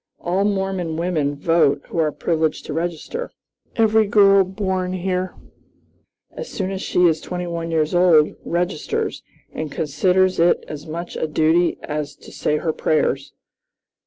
All Mormon women vote who are privileged to register. Every girl born here, as soon as she is twenty one years old, registers, and considers it as much a duty as to say her prayers.